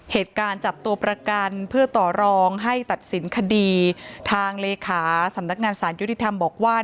จับตัวประกันเพื่อต่อรองให้ตัดสินคดีทางเลขาสำนักงานสารยุติธรรมบอกว่า